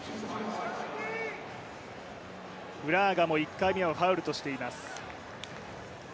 フラーガも１回目はファウルとしています。